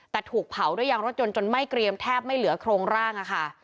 แต่ถูกเผาด้วยยางรถยนต์จนไหม้เกรียมแทบไม่เหลือโครงร่างอะค่ะ